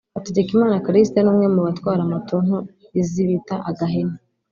Hategekimana Callixte ni umwe mu batwara moto nto izi bita (agahene)